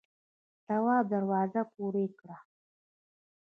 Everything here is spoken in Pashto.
تواب دروازه پورې کړه.